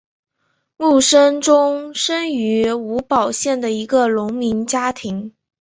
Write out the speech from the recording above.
慕生忠生于吴堡县的一个农民家庭。